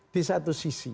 di satu sisi